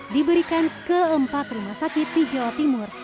diberikan ke empat rumah sakit di jawa timur